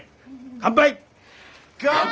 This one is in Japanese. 乾杯！